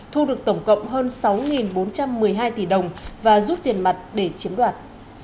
thu được tổng cộng hơn sáu bốn trăm một mươi hai tỷ đồng và rút tiền mặt để chiếm đoạt